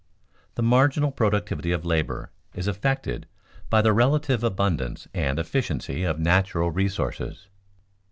_The marginal productivity of labor is affected by the relative abundance and efficiency of natural resources.